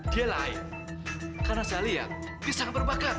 dia lain karena saya lihat dia sangat berbakar